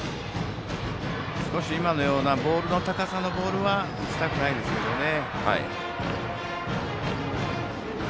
今のような高さのボールは打ちたくないですけどね。